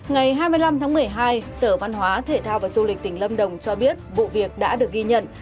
ngày hai mươi năm tháng một mươi hai sở văn hóa thể thao và du lịch tỉnh lâm đồng cho biết vụ việc đã được ghi nhận